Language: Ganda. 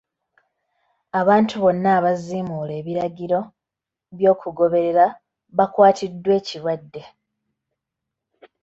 Abantu bonna abaaziimuula ebiragiro by'okugoberera baakwatiddwa ekirwadde.